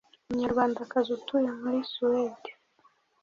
umunyarwandakazi utuye muri suwedi